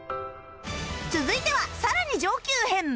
続いてはさらに上級編